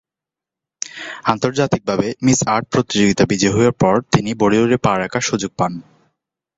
আন্তর্জাতিকভাবে "Miss Earth" প্রতিযোগিতা বিজয়ী হওয়ার পর তিনি বলিউডে পা রাখার সুযোগ পান।